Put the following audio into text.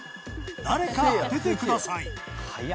誰か当ててください。